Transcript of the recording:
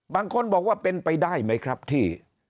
บางคนบอกว่าเป็นไปได้ไหมครับที่